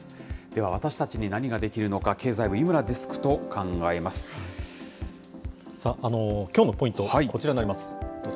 では、私たちに何ができるのか、経済部、きょうのポイント、こちらになります。